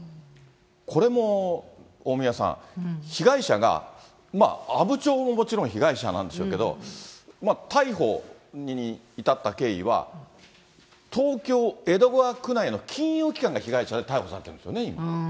これも大宮さん、被害者が阿武町ももちろん被害者なんでしょうけど、逮捕に至った経緯は、東京・江戸川区内の金融機関が被害者で逮捕されてるんですよね、今。